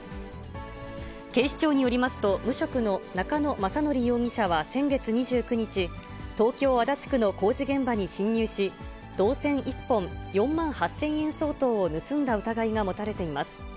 警視庁によりますと、無職の中野将範容疑者は先月２９日、東京・足立区の工事現場に侵入し、銅線１本４万８０００円相当を盗んだ疑いが持たれています。